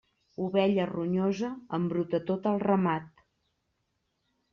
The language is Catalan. Ovella ronyosa, embruta tot el ramat.